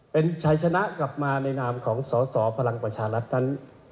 เป็นชัยชนะกลับมาในนามของสอสอพลังประชารัฐนั้น